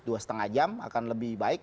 dua setengah jam akan lebih baik